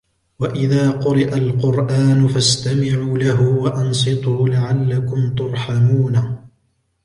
وإذا قرئ القرآن فاستمعوا له وأنصتوا لعلكم ترحمون